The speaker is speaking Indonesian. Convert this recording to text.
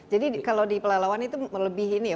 jadi kalau di pelawan lawan itu